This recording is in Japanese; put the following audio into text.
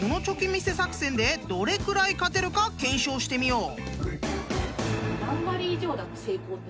見せ作戦でどれくらい勝てるか検証してみよう！］